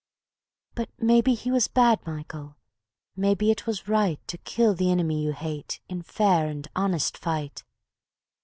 ..." "But maybe he was bad, Michael, maybe it was right To kill the inimy you hate in fair and honest fight.